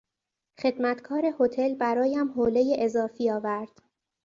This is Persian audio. خدمتکار هتل برایم حولهی اضافی آورد.